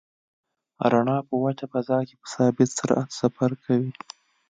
رڼا په وچه فضا کې په ثابت سرعت سفر کوي.